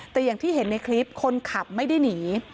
แต่อย่างที่เห็นในคลิปคนขับไม่ได้หนี